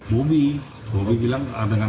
bebe yang menangkapnya menangkapnya